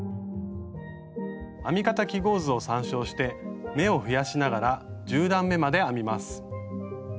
編み方記号図を参照して目を増やしながら１０段めまで編みます。